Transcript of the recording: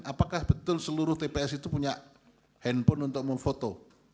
apakah betul seluruh tps itu punya handphone untuk memfoto